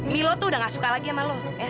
milo tuh udah gak suka lagi sama lo